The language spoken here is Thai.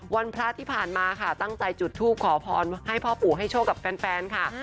วันพระที่ผ่านมาตั้งใจจุดทุกของความหวัญให้พ่อผู้ให้โชคกับแฟนค่ะ